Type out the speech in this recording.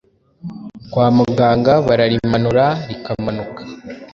kwa muganga bararimanura rikamanuka.